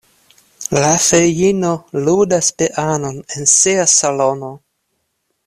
La feino ludas pianon en sia salono.